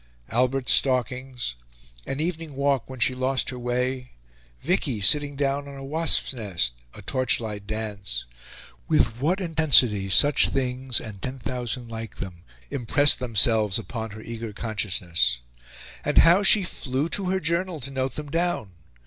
Albert's stalkings an evening walk when she lost her way Vicky sitting down on a wasps' nest a torchlight dance with what intensity such things, and ten thousand like them, impressed themselves upon her eager consciousness! And how she flew to her journal to note them down!